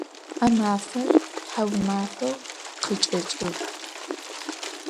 A mafer thaumafeu khıçç'eç'ığ.